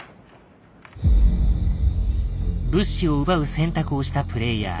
物資を奪う選択をしたプレイヤー。